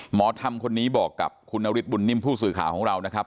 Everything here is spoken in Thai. หมอธรรมคนนี้บอกกับคุณนฤทธบุญนิ่มผู้สื่อข่าวของเรานะครับ